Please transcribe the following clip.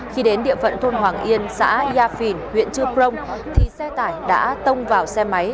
khi đến địa phận thôn hoàng yên xã gia phìn huyện trư công thì xe tải đã tông vào xe máy